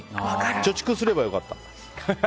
貯蓄すればよかった。